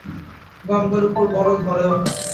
গঙ্গার উপর বড় ধরেও না।